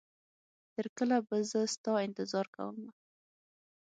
تر کله به زه ستا انتظار کومه